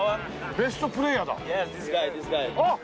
ベストプレーヤー？